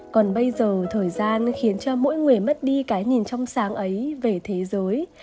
còn bây giờ thời gian nó khiến cho mỗi người mất đi cái nhìn trong sáng ấy về thế giới